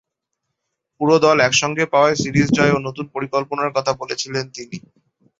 পুরো দল একসঙ্গে পাওয়ায় সিরিজ জয় ও নতুন পরিকল্পনার কথা বলেছিলেন তিনি।